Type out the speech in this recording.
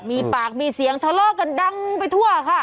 มีปากมีเสียงทะเลาะกันดังไปทั่วค่ะ